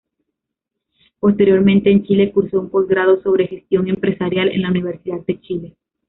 Posteriormente, en Chile cursó un posgrado sobre Gestión Empresarial en la Universidad de Chile.